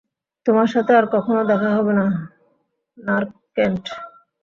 তোমার সাথে আর কখনও দেখা হবে না, নার্ক কেন্ট।